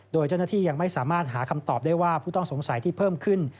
โดยเจ้าหน้าที่ยังไม่สามารถหาคำตอบได้ว่าผู้ต้องสงสัยที่เพิ่มขึ้น